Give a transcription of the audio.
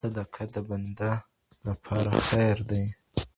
صدقه د بنده لپاره خیر دی.